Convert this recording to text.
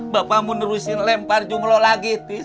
bapak mau nerusin lempar jumlah lagi ntis